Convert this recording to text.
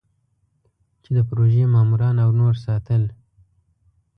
چې د پروژې ماموران او نور ساتل.